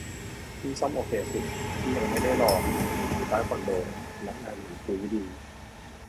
นี่ซ่อมโอเคสุด นี่ยังไม่ได้ลอง ศูนย์อยู่ใต้คอนโด พนักงานเหมือนกุ๊ยดี